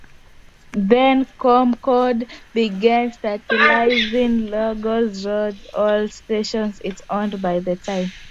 Then, ComCorp began standardizing logos across all stations it owned at the time.